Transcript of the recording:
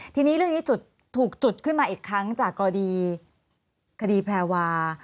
ทีนี้เรื่องนี้จุดถูกจุดขึ้นมาอีกครั้งจากกรณีคดีแพรวา